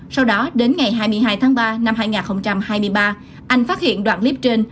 sau đó đến ngày hai mươi hai tháng ba năm hai nghìn hai mươi ba anh phát hiện đoạn clip trên